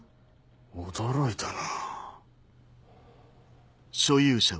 驚いたな。